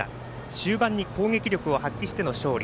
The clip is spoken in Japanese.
終盤に攻撃力を発揮しての勝利。